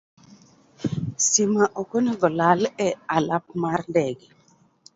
Sitima ok onego olal e alap mar ndege.